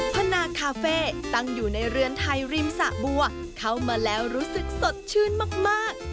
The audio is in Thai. พนาคาเฟ่ตั้งอยู่ในเรือนไทยริมสะบัวเข้ามาแล้วรู้สึกสดชื่นมาก